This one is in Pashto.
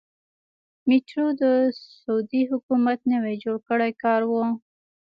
میټرو د سعودي حکومت نوی جوړ کړی کار و.